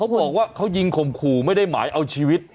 บอกว่าเขายิงข่มขู่ไม่ได้หมายเอาชีวิต